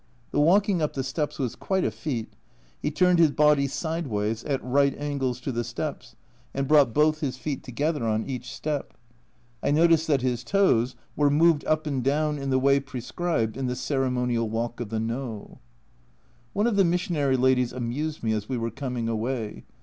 The walking up the steps was quite a feat he turned his body sideways, at right angles to the steps, and brought both his feet together on each step. I noticed that his toes were 2oo A Journal from Japan moved up and down in the way prescribed in the ceremonial walk of the No. One of the missionary ladies amused me as we were coming away.